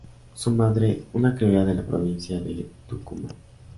Su madre una criolla de la provincia de Tucumán.